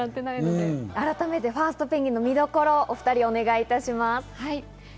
『ファーストペンギン！』の見どころを改めてお願いします。